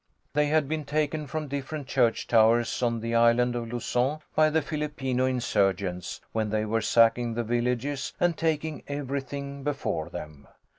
They had been taken from different church towers on the island of Luzon, by the Filipino insurgents, when they were sacking the villages and taking everything before them.